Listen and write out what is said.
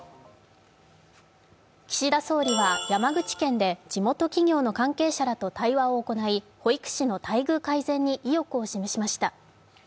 岸田総理は山口県で地元企業の関係者らと対話を行い、保育士の待遇改善に意欲を示しました。